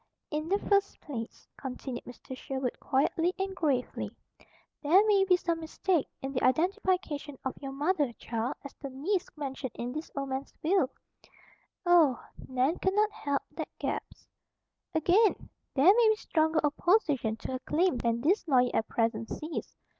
"In the first place," continued Mr. Sherwood quietly and gravely, "there may be some mistake in the identification of your mother, child, as the niece mentioned in this old man's will." "Oh!" Nan could not help that gasp. "Again, there may be stronger opposition to her claim than this lawyer at present sees.